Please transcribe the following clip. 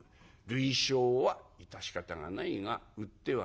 類焼は致し方がないが売ってはならんぞ」。